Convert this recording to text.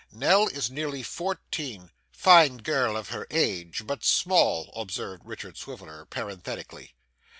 Nell is nearly fourteen.' 'Fine girl of her age, but small,' observed Richard Swiveller parenthetically.